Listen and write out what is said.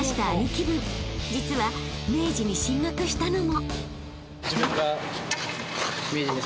［実は明治に進学したのも］